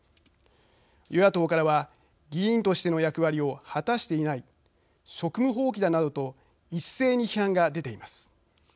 与野党からは議員としての役割を果たしていない職務放棄だなどと一斉に批判が出ています。